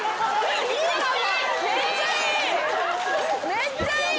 めっちゃいい！